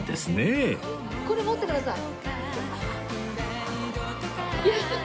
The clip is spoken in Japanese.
これ持ってください。